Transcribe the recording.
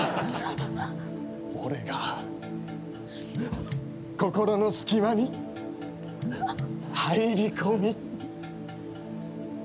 俺が心の隙間に入り込み。